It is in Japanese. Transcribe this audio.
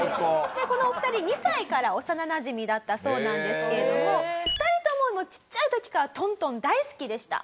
でこのお二人２歳から幼なじみだったそうなんですけれども２人ともちっちゃい時から東東大好きでした。